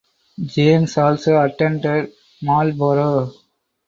James also attended Marlborough.